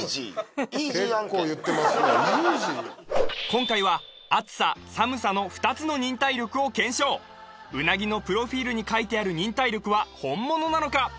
今回はアツさサムさの２つの忍耐力を検証鰻のプロフィールに書いてある忍耐力は本物なのか？